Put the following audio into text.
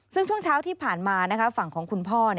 ซึ่งช่วงเช้าที่ผ่านมาฝั่งของคุณพ่อ